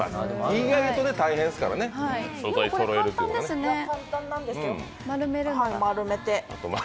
意外と大変ですからね、簡単ですね、丸めるのは。